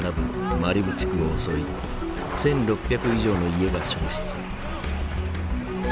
マリブ地区を襲い１，６００以上の家が焼失。